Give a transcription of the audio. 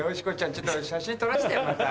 ちょっと写真撮らせてよまた。